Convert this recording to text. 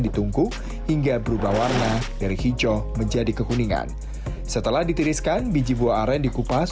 ditungku hingga berubah warna dari hijau menjadi kekuningan setelah ditiriskan biji buah aren dikupas